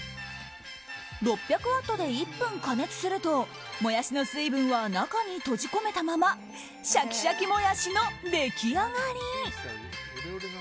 ６００ワットで１分加熱するとモヤシの水分は中に閉じ込めたままシャキシャキモヤシの出来上がり。